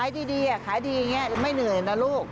ที่ดีขายดีอย่างนี้ไม่เหนื่อยนะลูก